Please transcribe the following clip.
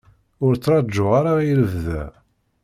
Ur ttṛaǧuɣ ara i lebda.